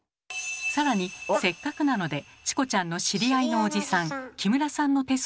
さらにせっかくなのでチコちゃんの知り合いのおじさん木村さんの手相も見てもらいました。